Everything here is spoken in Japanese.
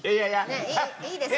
ねっいいですよ